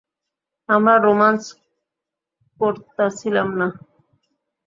আমরা রোম্যান্স করতাছিলাম না!